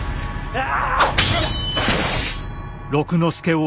ああ！